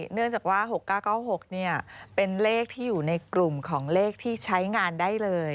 เนื่องจากว่า๖๙๙๖เป็นเลขที่อยู่ในกลุ่มของเลขที่ใช้งานได้เลย